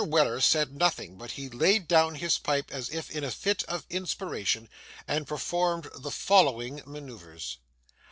Weller said nothing, but he laid down his pipe as if in a fit of inspiration, and performed the following manœuvres.